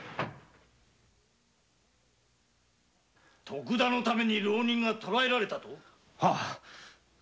徳田のために浪人が捕らえられたと？